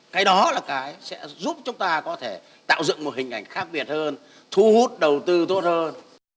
cái đó là cái sẽ giúp chúng ta có thể tạo dựng một hình ảnh khác biệt hơn thu hút đầu tư tốt hơn